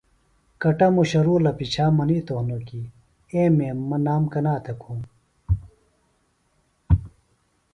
کٹموشہ رُولہ پچھا منِیتوۡ ہنوۡ کیۡ اے میم مہ نِئام کنا تھےۡ کُھوم